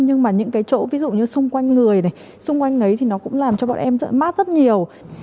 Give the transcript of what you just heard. nhưng mà những cái chỗ ví dụ như xung quanh người này xung quanh đấy thì nó cũng làm cho bọn em sợ mát rất nhiều